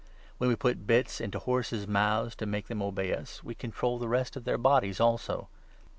When we put bits into horses' mouths, to make them 3 obey us, we control the rest of their bodies also.